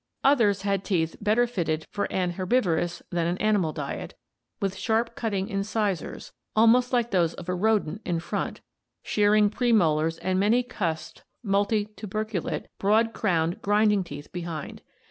Others had teeth better fitted for an herbivorous than an animal diet, with sharp cutting incisors, almost like those of a rodent in front, shearing premolars and many cusped (multi tuberculate), broad crowned, grinding teeth behind (see Fig.